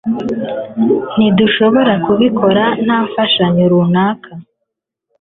ntidushobora kubikora nta mfashanyo runaka